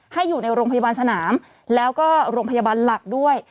อยู่ในโรงพยาบาลสนามแล้วก็โรงพยาบาลหลักด้วย